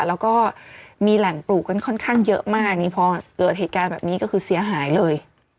แล้วก็มีแหล่งปลูกกันค่อนข้างเยอะมากนี่พอเกิดเหตุการณ์แบบนี้ก็คือเสียหายเลย